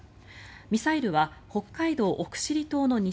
ミサイルは北海道・奥尻島の西